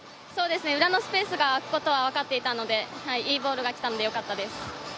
裏のスペースが空くことは分かっていたのでいいボールが来てよかったです。